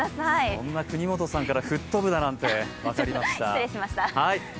そんな國本さんから吹っ飛ぶだなんて分かりました。